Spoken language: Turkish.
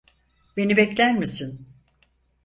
Beni bekler misin?